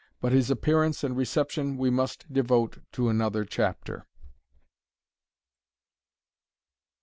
But his appearance and reception we must devote to another chapter.